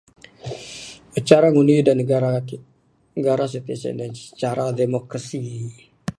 Cara ngundi da negara kit, negara sitik sien ce, cara demokrasi.